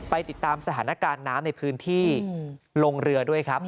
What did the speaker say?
ติดตามสถานการณ์น้ำในพื้นที่ลงเรือด้วยครับ